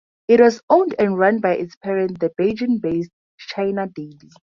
It was owned and run by its parent, the Beijing-based China Daily.